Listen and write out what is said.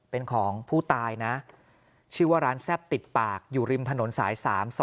เป็นของผู้ตายนะชื่อว่าร้านแซ่บติดปากอยู่ริมถนนสาย๓๒